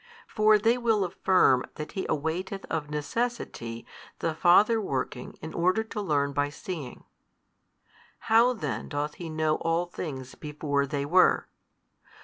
For they will affirm that He awaiteth of necessity the Father working in order to learn by seeing. How then doth He know all things before they were?